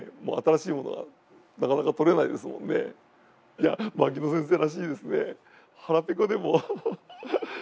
いや牧野先生らしいですね。